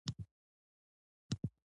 اوبه روانې دي.